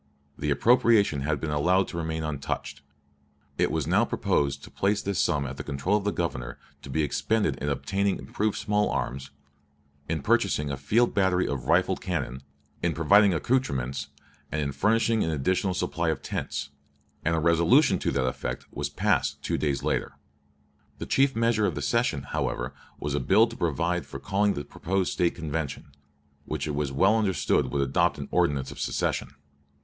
The appropriation had been allowed to remain untouched. It was now proposed to place this sum at the control of the Governor to be expended in obtaining improved small arms, in purchasing a field battery of rifled cannon, in providing accouterments, and in furnishing an additional supply of tents; and a resolution to that effect was passed two days later, The chief measure of the session, however, was a bill to provide for calling the proposed State Convention, which it was well understood would adopt an ordinance of secession.